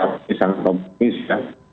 ini sangat komis ya